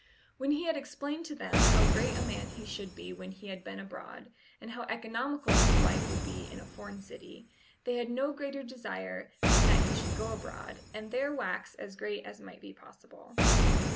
When he had explained to them how great a man he should be when he had been abroad, and how economical his life would be in a foreign city, they had no greater desire than that he should go abroad, and there wax as great as might be possible.